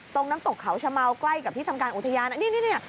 น้ำตกเขาชะเมาใกล้กับที่ทำการอุทยานอันนี้นี่